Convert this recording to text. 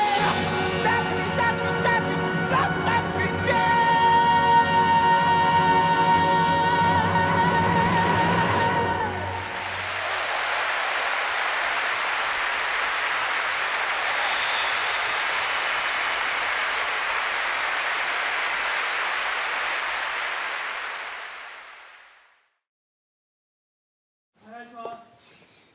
・お願いします！